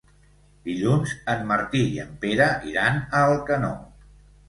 Dilluns en Martí i en Pere iran a Alcanó.